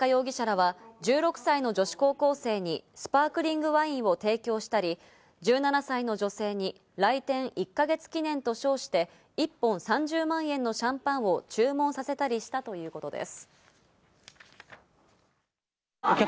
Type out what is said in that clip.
畑中容疑者らは１６歳の女子高校生にスパークリングワインを提供したり、１７歳の女性に来店１か月記念と称して、一本３０万円のシャンパンを注文させたりしたということです。